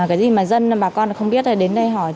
cái gì mà dân bà con không biết là đến đây hỏi